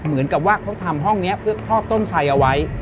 เหมือนกับว่าเขาทำห้องนี้เพื่อครอบต้นไสเอาไว้